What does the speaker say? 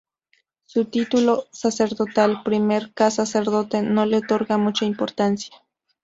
Su título sacerdotal, "Primer 'k Sacerdote" no le otorga mucha importancia.